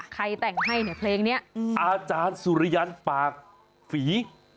ใครแต่งให้เนี่ยเพลงนี้